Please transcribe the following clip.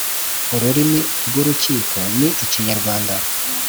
Ururimi rw urukiko ni Ikinyarwanda